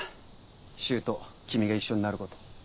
柊と君が一緒になること。